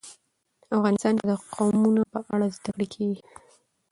افغانستان کې د قومونه په اړه زده کړه کېږي.